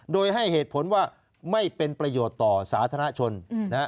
โดยให้เหตุผลว่าไม่เป็นประโยชน์ต่อสาธารณชนนะฮะ